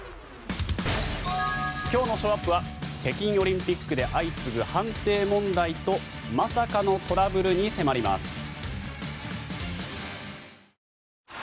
今日のショーアップは北京オリンピックで相次ぐ判定問題とまさかのトラブルに迫ります。